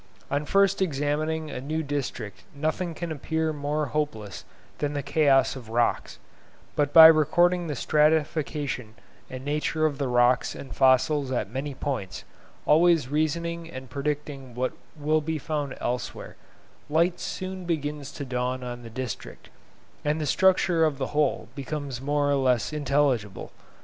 On first examining a new district nothing can appear more hopeless than the chaos of rocks; but by recording the stratification and nature of the rocks and fossils at many points, always reasoning and predicting what will be found elsewhere, light soon begins to dawn on the district, and the structure of the whole becomes more or less intelligible.